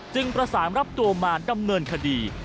ประสานรับตัวมาดำเนินคดี